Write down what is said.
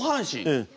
ええ。